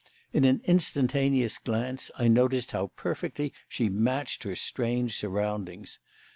In an instantaneous glance I noted how perfectly she matched her strange surroundings.